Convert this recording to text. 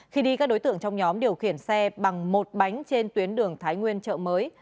khi đi các đối tượng trong nhóm điều khiển xe bằng một bánh trên tuyến đường thái nguyên chợ mới